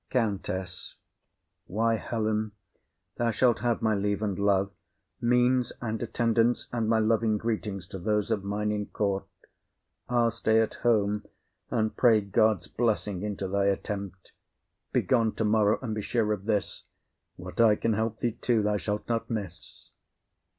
COUNTESS. Why, Helen, thou shalt have my leave and love, Means and attendants, and my loving greetings To those of mine in court. I'll stay at home, And pray God's blessing into thy attempt. Be gone tomorrow; and be sure of this, What I can help thee to, thou shalt not miss.